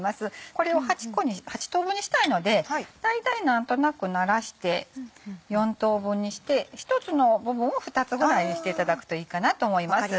これを８等分にしたいので大体何となくならして４等分にして１つの部分を２つぐらいにしていただくといいかなと思います。